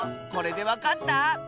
これでわかった？